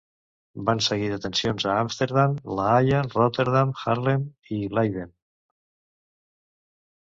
Van seguir detencions a Amsterdam, La Haia, Rotterdam, Haarlem i Leiden.